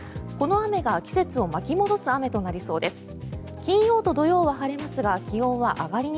この雨が季節を巻き戻す雨となりそうです。